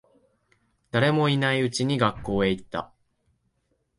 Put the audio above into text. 誰もいないうちに学校へ行った。